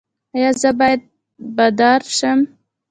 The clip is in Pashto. ایا زه باید بادار شم؟